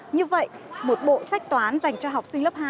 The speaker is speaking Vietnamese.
như vậy một bộ sách toán dành cho học sinh lớp hai